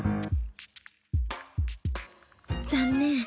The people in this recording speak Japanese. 残念！